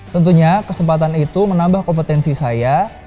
tentunya kesempatan itu menambah kompetensi saya